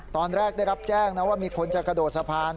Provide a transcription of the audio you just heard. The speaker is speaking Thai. ตอนแรกได้รับแจ้งนะว่ามีคนจะกระโดดสะพาน